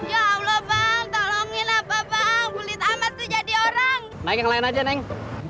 ya allah bang tolongin apa bang bulit amat jadi orang naik lain aja neng